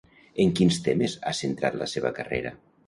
En quins temes ha centrat la seva carrera?